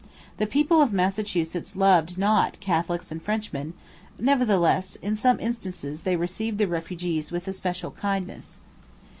The people of Massachusetts loved not Catholics and Frenchmen; nevertheless, in some instances they received the refugees with especial kindness.